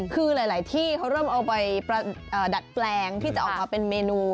คือหลายที่เขาเริ่มเอาไปดัดแปลงที่จะออกมาเป็นเมนู